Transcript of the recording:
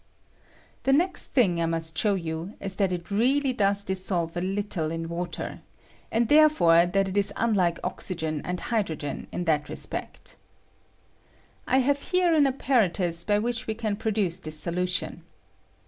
The next thing I must show you is that it really does dissolve a little in water, and there fore that it is unlike oxygen and hydrogen in that respect. I have here an apparatus by which we can produce this solution.